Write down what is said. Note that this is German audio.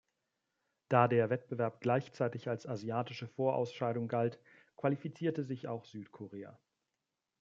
Da der Wettbewerb gleichzeitig als asiatische Vorausscheidung galt, qualifizierte sich auch Südkorea.